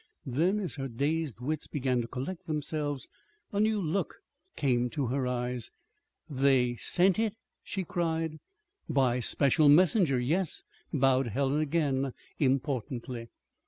Then, as her dazed wits began to collect themselves, a new look came to her eyes. "They sent it?" she cried. "By special messenger yes," bowed Helen, again importantly.